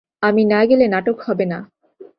আমি না গেলে নাটক হবে না।